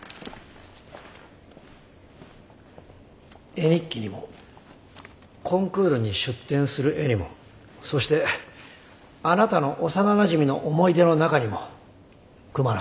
絵日記にもコンクールに出展する絵にもそしてあなたの幼なじみの思い出の中にもクマラさんはいます。